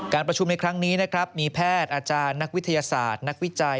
ประชุมในครั้งนี้นะครับมีแพทย์อาจารย์นักวิทยาศาสตร์นักวิจัย